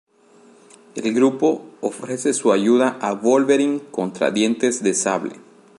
El grupo ofrece su ayuda a Wolverine contra Dientes de Sable.